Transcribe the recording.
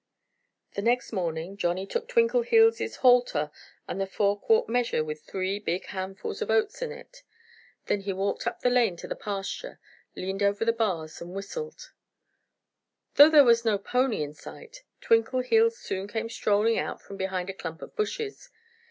The next morning Johnnie took Twinkleheels' halter and the four quart measure with three big handfuls of oats in it. Then he walked up the lane to the pasture, leaned over the bars and whistled. Though there was no pony in sight, Twinkleheels soon came strolling out from behind a clump of bushes.